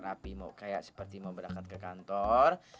napi mau kayak seperti mau berangkat ke kantor